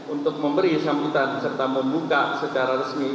untuk memberi sambutan serta membuka secara resmi